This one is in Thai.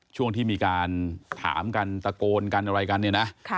ช่วงที่มีการถามกันตะโกนกันอะไรกันเนี่ยนะ